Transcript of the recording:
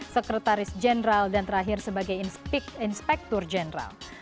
sekretaris jeneral dan terakhir sebagai inspektur jeneral